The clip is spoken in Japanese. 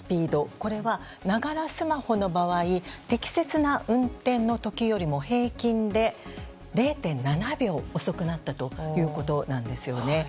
これはながらスマホの場合適切な運転の時よりも平均で０．７秒遅くなったということなんですね。